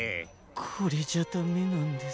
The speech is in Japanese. これじゃダメなんです。